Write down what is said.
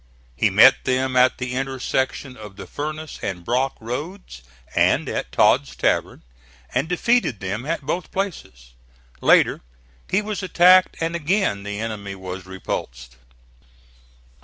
He met them at the intersection of the Furnace and Brock roads and at Todd's Tavern, and defeated them at both places. Later he was attacked, and again the enemy was repulsed.